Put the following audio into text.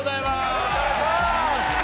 よろしくお願いします！